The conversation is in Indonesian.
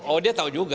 oh dia tahu juga